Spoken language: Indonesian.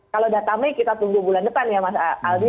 kalau data may kita tunggu bulan depan ya mas aldi